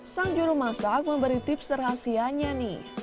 sang guru masak memberi tips terhasilnya nih